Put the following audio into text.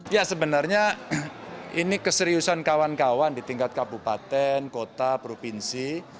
ya sebenarnya ini keseriusan kawan kawan di tingkat kabupaten kota provinsi